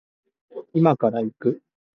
今から行く